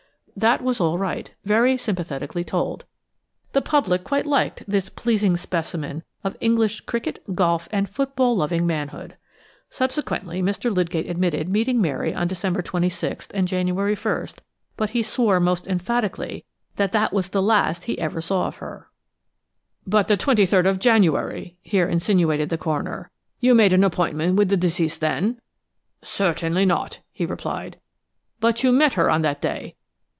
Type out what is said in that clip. That was all right. Very sympathetically told. The public quite liked this pleasing specimen of English cricket , golf and football loving manhood. Subsequently Mr. Lydgate admitted meeting Mary on December 26th and January 1st, but he swore most emphatically that that was the last he ever saw of her. "But the 23rd of January," here insinuated the coroner; "you made an appointment with the deceased then?" "Certainly not," he replied. "But you met her on that day?"